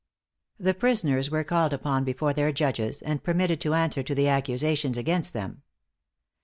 The prisoners were called up before their judges, and permitted to answer to the accusations against them.